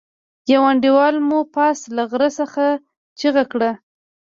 يوه انډيوال مو پاس له غره څخه چيغه کړه.